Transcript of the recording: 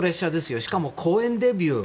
しかも公園デビュー。